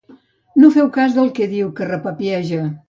No feu cas del que diu, que repapieja.